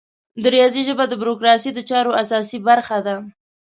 د ریاضي ژبه د بروکراسي د چارو اساسي برخه ده.